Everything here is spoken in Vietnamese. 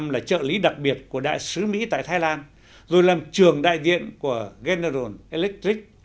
một nghìn chín trăm bảy mươi năm là trợ lý đặc biệt của đại sứ mỹ tại thái lan rồi làm trường đại diện của general electric